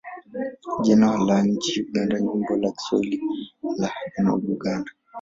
Jina la nchi Uganda ni umbo la Kiswahili la neno Buganda.